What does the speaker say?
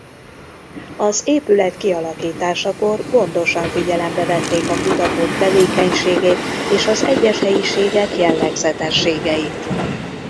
Az épület kialakításakor gondosan figyelembe vették a kutatók tevékenységét és az egyes helyiségek jellegzetességeit.